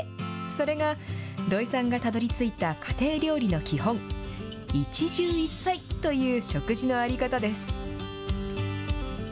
それが、土井さんがたどりついた家庭料理の基本、一汁一菜という食事の在り方です。